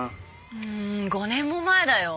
うん５年も前だよ？